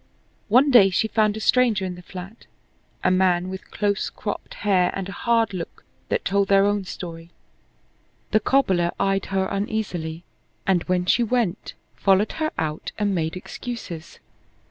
One day she found a stranger in the flat, a man with close cropped hair and a hard look that told their own story. The cobbler eyed her uneasily, and, when she went, followed her out and made excuses.